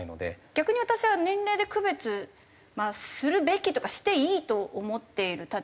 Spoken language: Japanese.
逆に私は年齢で区別まあするべきというかしていいと思っている立場で。